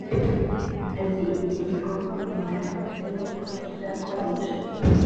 azi igihe zigomba kumara ndetse n’uko zizakoreshwa